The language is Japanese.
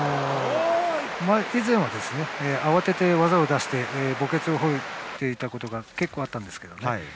以前は、慌てて技を出して墓穴を掘ることが結構あったんですけどね。